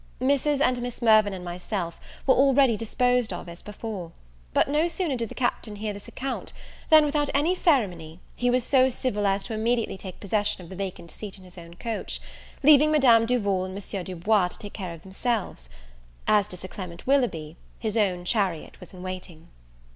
Mrs. and Miss Mirvan, and myself, were already disposed of as before; but no sooner did the Captain hear this account, than, without any ceremony, he was so civil as to immediately take possession of the vacant seat in his own coach, leaving Madame Duval and Monsieur Du Bois to take care of themselves. As to Sir Clement Willoughby, his own chariot was in waiting.